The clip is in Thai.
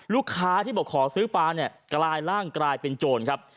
ลูกค้าที่บอกขอซื้อปลาเนี่ยกลายร่างกลายเป็นโจรครับ